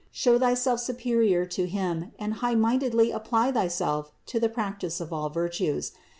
Show thyself superior to him and highmindedly apply thyself to the practice of all virtues.